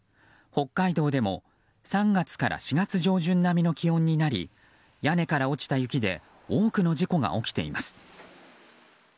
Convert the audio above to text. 北海道でも３月から４月上旬並みの気温になり屋根から落ちた雪で多くの事故が起きています。